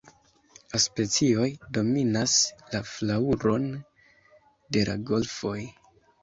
La specioj dominas la flaŭron de la golfoj.